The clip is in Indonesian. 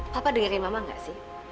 papa dengerin mama nggak sih